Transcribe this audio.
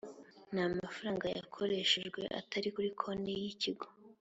nta mafaranga yakoreshejwe atari kuri konti yikigo